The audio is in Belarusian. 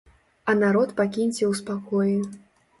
А народ пакіньце у спакоі.